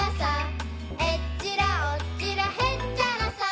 「えっちらおっちらへっちゃらさ」